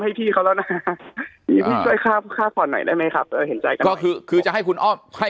ให้พี่เขาแล้วนะข้อหน่อยได้ไหมครับก็คือจะให้คุณอ้อมให้